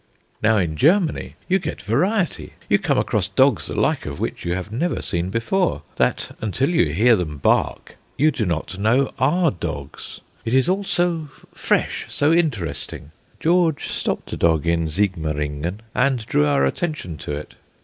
Now in Germany you get variety. You come across dogs the like of which you have never seen before: that until you hear them bark you do not know are dogs. It is all so fresh, so interesting. George stopped a dog in Sigmaringen and drew our attention to it.